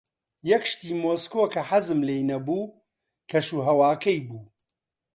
یەک شتی مۆسکۆ کە حەزم لێی نەبوو، کەشوهەواکەی بوو.